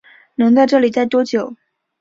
能在这里待多久